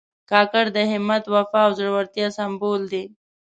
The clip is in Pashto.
کاکړ د همت، وفا او زړورتیا سمبول دي.